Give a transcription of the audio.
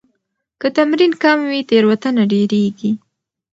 که تمرین کم وي، تېروتنه ډېريږي.